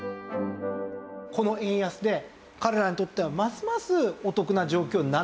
この円安で彼らにとってはますますお得な状況になっていると。